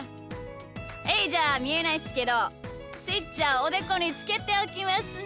はいじゃあみえないっすけどスイッチはおでこにつけておきますね。